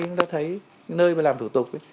chúng ta thấy nơi làm thủ tục